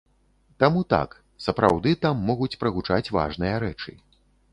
Таму так, сапраўды там могуць прагучаць важныя рэчы.